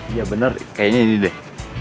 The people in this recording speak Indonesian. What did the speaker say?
iya bener kayaknya ini deh